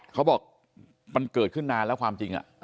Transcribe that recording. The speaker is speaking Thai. เขาบอกมันเกิดขึ้นนานแล้วความจริง